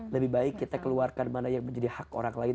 lebih baik kita keluarkan mana yang menjadi hak orang lain